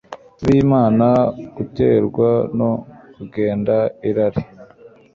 bImana Guterwa no Kugenga Irari